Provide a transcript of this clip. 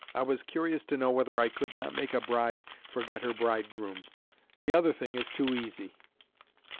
I was curious to know whether I could not make a bride forget her bridegroom. The other thing is too easy."